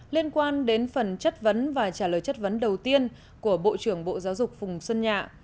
liên quan đến phần chất vấn và trả lời chất vấn đầu tiên của bộ trưởng bộ giáo dục phùng xuân nhạ